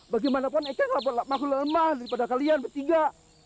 bagaimanapun eike nggak buat makhluk lemah daripada kalian bertiga